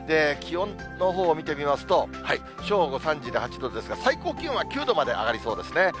気温のほうを見てみますと、正午、３時で８度ですが、最高気温は９度まで上がりそうですね。